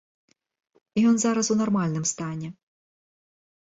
Ён зараз у нармальным стане.